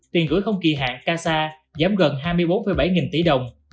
tiền gửi không kỳ hạn casa giảm gần hai mươi bốn bảy nghìn tỷ đồng